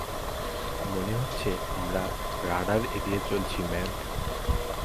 মনে হচ্ছে আমরা রাডার এড়িয়ে চলছি, ম্যাভ।